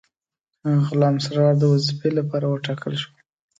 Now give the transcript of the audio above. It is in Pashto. غلام سرور د وظیفې لپاره وټاکل شو.